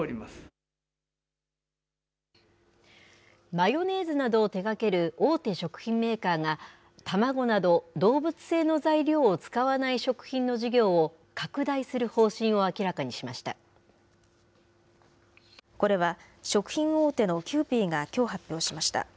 マヨネーズなどを手がける大手食品メーカーが、卵など動物性の材料を使わない食品の事業を拡大する方針を明らかこれは、食品大手のキユーピーがきょう発表しました。